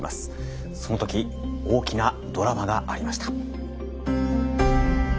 その時大きなドラマがありました。